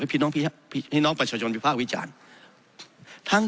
ให้พี่น้องประชาชนภาควิจารณ์